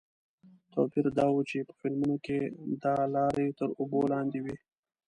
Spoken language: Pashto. توپیر دا و چې په فلمونو کې دا لارې تر اوبو لاندې وې.